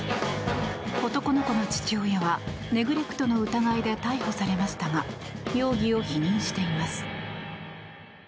男の子の父親はネグレクトの疑いで逮捕されましたが容疑を否認しています。